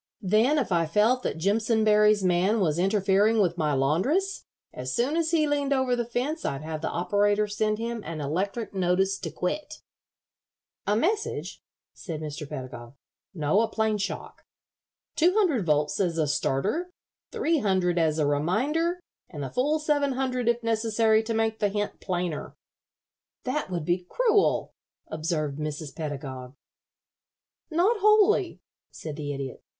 Then if I felt that Jimpsonberry's man was interfering with my laundress, as soon as he leaned over the fence I'd have the operator send him an electric notice to quit." "A message?" said Mr. Pedagog. "No, a plain shock. Two hundred volts as a starter, three hundred as a reminder, and the full seven hundred if necessary to make the hint plainer." "That would be cruel," observed Mrs. Pedagog. "Not wholly," said the Idiot.